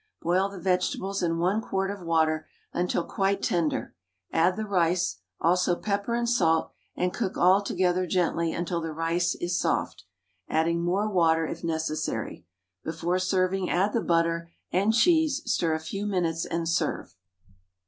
Boil the vegetables in 1 quart of water until quite tender, add the rice, also pepper and salt, and cook all together gently until the rice is soft, adding more water if necessary. Before serving add the butter and cheese, stir a few minutes, and serve.